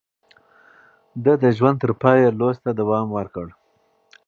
ده د ژوند تر پايه لوست ته دوام ورکړ.